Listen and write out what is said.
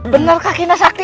bener kakinya sakti